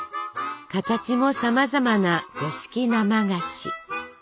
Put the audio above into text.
形もさまざまな五色生菓子！